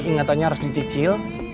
ingatannya harus dicicil